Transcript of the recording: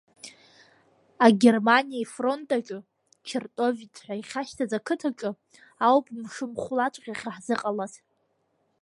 Агерманиа ифронт аҿы, Чертовец ҳәа иахьашьҭаз ақыҭаҿы ауп мшымыхәлаҵәҟьа ахьаҳзыҟалаз.